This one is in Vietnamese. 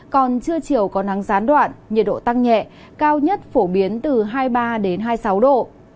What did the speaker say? còn trưa chiều có nắng gián đoạn nhiệt độ tăng nhẹ cao nhất phổ biến từ hai mươi ba hai mươi sáu độ